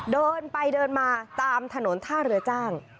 เดินไปเดินมาตามถนนท่าเรือจ้าง